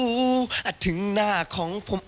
อาจถึงหน้าของผม